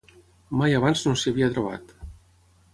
Mai abans no s'hi havia trobat.